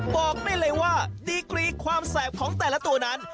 บอกได้เลยว่าดีกรีความแสบของแต่ละตัวนั้น